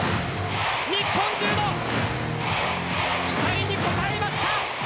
日本中の期待に応えました。